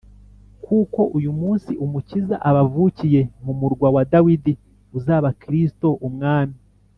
, kuko uyu munsi Umukiza abavukiye mu murwa wa Dawidi, uzaba Kristo Umwami.